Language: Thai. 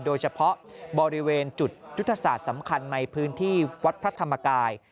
โดยเฉพาะบริเวณจุดยุทธศาสตร์สำคัญในพื้นที่วัดพระธรรมกาย